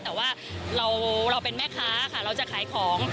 แต่ว่าเราเป็นแม่ค้าค่ะเราจะขายของ